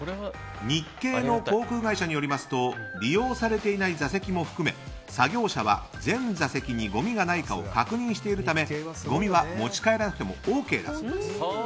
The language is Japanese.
日系の航空会社によりますと利用されていない座席も含め作業者は全座席にごみがないかを確認しているためごみは持ち帰らなくてもＯＫだそうです。